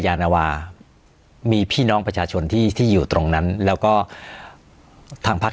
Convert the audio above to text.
ยานวามีพี่น้องประชาชนที่ที่อยู่ตรงนั้นแล้วก็ทางพัก